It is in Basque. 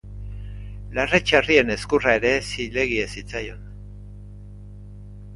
Larre-txerrien ezkurra ere zilegi ez zitzaion.